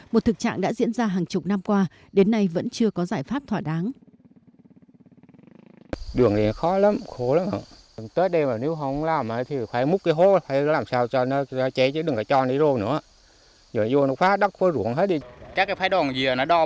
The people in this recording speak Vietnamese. một thực trạng đã diễn ra hàng chục năm qua đến nay vẫn chưa có giải pháp thỏa đáng